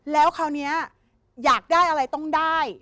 แล้วคราวนี้อยากได้อะไรต้องได้